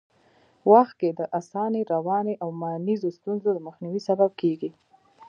وخت کي د اسانۍ، روانۍ او مانیزو ستونزو د مخنیوي سبب کېږي.